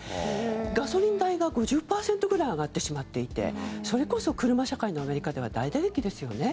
ガソリン代が５０％ぐらい上がってしまっていてそれこそ車社会のアメリカでは大打撃ですよね。